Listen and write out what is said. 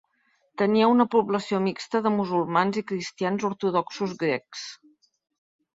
Tenia una població mixta de musulmans i cristians ortodoxos grecs.